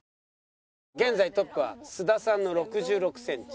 現在トップは須田さんの６６センチ。